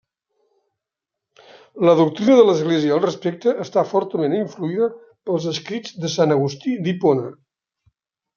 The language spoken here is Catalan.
La doctrina de l'església al respecte està fortament influïda pels escrits de Sant Agustí d'Hipona.